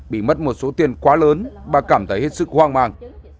bị mất một số tiền quá lớn bà cảm thấy hết sức hoang mang